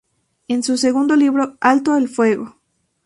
En su segundo libro, "¡Alto el fuego!